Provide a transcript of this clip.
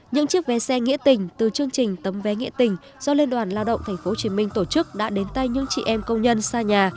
những chiếc vé xe nghĩa tình từ chương trình tấm vé nghĩa tình do liên đoàn lao động tp hcm tổ chức đã đến tay những chị em công nhân xa nhà